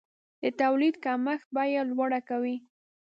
د تولید کمښت بیه لوړه کوي.